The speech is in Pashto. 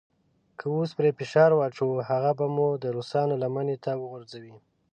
که اوس پرې فشار واچوو هغه به مو د روسانو لمنې ته وغورځوي.